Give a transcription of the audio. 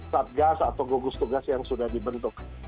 satgas atau gugus tugas yang sudah dibentuk